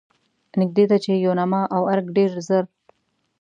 نږدې ده چې یوناما او ارګ ډېر ژر.